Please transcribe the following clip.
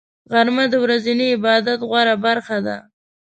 غرمه د ورځني عبادت غوره برخه ده